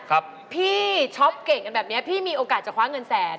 พี่ช็อปเก่งกันแบบเนี้ยพี่มีโอกาสจะคว้าเงินแสน